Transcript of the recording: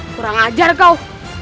kurang ajar kau